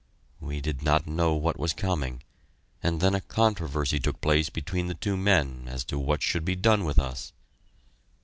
We did not know what was coming, and then a controversy took place between the two men as to what should be done with us.